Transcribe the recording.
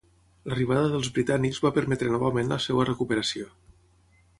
L'arribada dels britànics va permetre novament la seva recuperació.